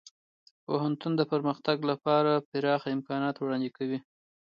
پوهنتون د پرمختګ لپاره پراخه امکانات وړاندې کوي.